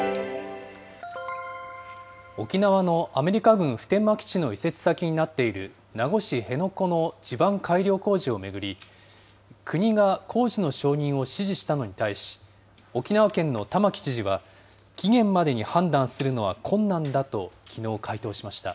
沖縄のアメリカ軍普天間基地の移設先になっている名護市辺野古の地盤改良工事を巡り、国が工事の承認を指示したのに対し、沖縄県の玉城知事は期限までに判断するのは困難だときのう回答しま